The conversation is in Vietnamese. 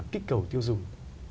kích cầu tiêu dùng